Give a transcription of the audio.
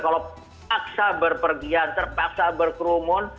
kalau paksa berpergian terpaksa berkerumun